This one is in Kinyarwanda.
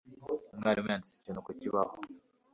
Umwarimu yanditse ikintu ku kibaho.